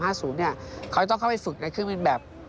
เขาจะต้องเข้าไปฝึกในเครื่องบินแบบ